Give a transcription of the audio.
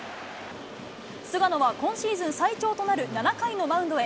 菅野は今シーズン最長となる７回のマウンドへ。